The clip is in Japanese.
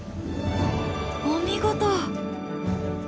お見事！